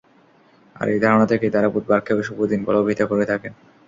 আর এই ধারণা থেকেই তারা বুধবারকে অশুভ দিন বলে অভিহিত করে থাকেন।